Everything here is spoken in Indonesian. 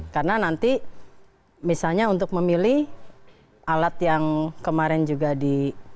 karena nanti misalnya untuk memilih alat yang kemarin juga di